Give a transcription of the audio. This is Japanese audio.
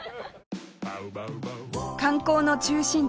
観光の中心地